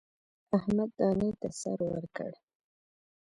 احمد دانې ته سر ورکړ.